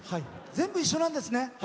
全部、一緒なんですね。